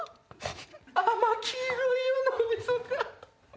甘黄色いよ脳みそが。